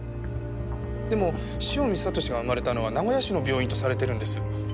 でも汐見悟志が生まれたのは名古屋市の病院とされてるんです。